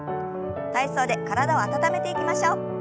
体操で体を温めていきましょう。